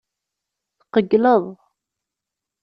Tqeyyleḍ.